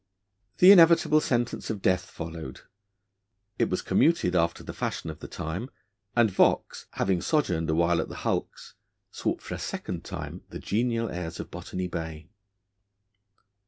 The inevitable sentence of death followed. It was commuted after the fashion of the time, and Vaux, having sojourned a while at the Hulks, sought for a second time the genial airs of Botany Bay.